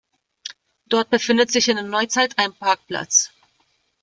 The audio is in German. Dort befindet sich in der Neuzeit ein Parkplatz.